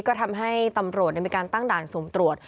ก็ทำให้ตำรวจเรียนไปการตั้งด่านสูมตรวจ